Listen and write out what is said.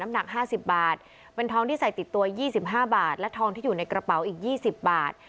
หนัก๕๐บาทเป็นทองที่ใส่ติดตัว๒๕บาทและทองที่อยู่ในกระเป๋าอีก๒๐บาท